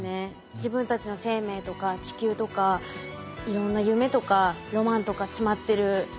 自分たちの生命とか地球とかいろんな夢とかロマンとか詰まってる